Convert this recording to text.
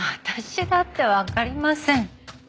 私だってわかりません。